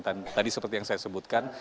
tadi seperti yang saya sebutkan